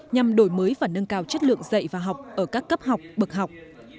nhằm đổi mới và nâng cao chất lượng dạy và học ở các cấp học bậc học